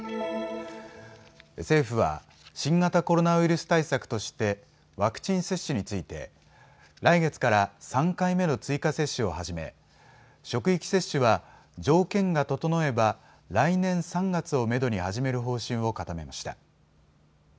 政府は新型コロナウイルス対策としてワクチン接種について来月から３回目の追加接種を始め職域接種は条件が整えば来年３月をめどに始める方針を固めました。